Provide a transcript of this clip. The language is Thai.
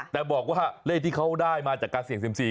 แต่บอกว่าเลขที่เขาได้มาจากการเสี่ยงเซียมซี